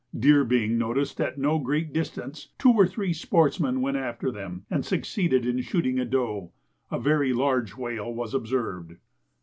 Deer being noticed at no great distance, two or three sportsmen went after them, and succeeded in shooting a doe. A very large whale was observed.